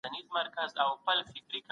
نفس انسان لټۍ ته هڅوي.